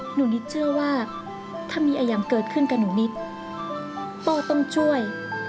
นิดเชื่อว่าถ้ามีอายำเกิดขึ้นกับหนูนิดพ่อต้องช่วย